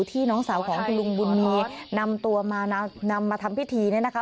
ที่น้องสาวของคุณลุงบุญมีย์นำมาทำพิธีนี้นะครับ